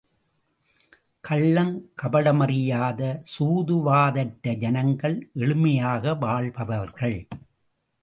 கள்ளம் கபடமறியாத சூதுவாதற்ற ஜனங்கள் எளிமையாக வாழ்பவர்கள்.